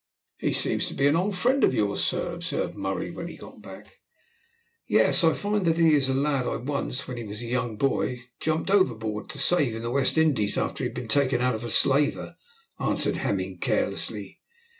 "He seems to be an old friend of yours, sir," observed Murray when he got back. "Yes, I find that he is a lad I once, when he was a young boy, jumped overboard to save in the West Indies after he had been taken out of a slaver," answered Hemming carelessly.